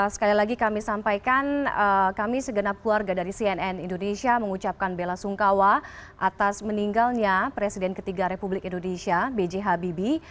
sekali lagi kami sampaikan kami segenap keluarga dari cnn indonesia mengucapkan bela sungkawa atas meninggalnya presiden ketiga republik indonesia b j habibie